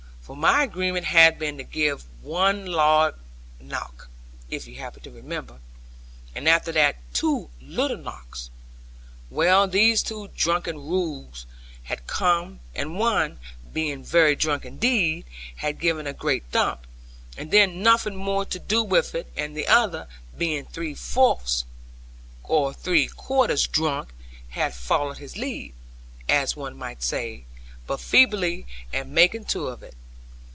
For my agreement had been to give one loud knock (if you happen to remember) and after that two little knocks. Well these two drunken rogues had come; and one, being very drunk indeed, had given a great thump; and then nothing more to do with it; and the other, being three quarters drunk, had followed his leader (as one might say) but feebly, and making two of it.